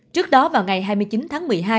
trước đó vào ngày hai mươi chín tháng một mươi hai